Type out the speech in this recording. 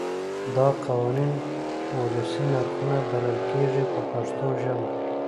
دا قوانین ولسي نرخونه بلل کېږي په پښتو ژبه.